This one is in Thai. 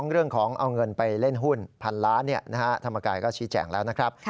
เรื่องของเอาเงินไปเล่นหุ้นพันล้านธรรมกายก็ชี้แจงแล้วนะครับ